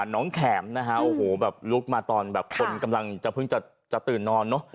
แขมนะฮะโอ้โหแบบลุกมาตอนแบบคนกำลังจะเพิ่งจะตื่นนอนเนอะ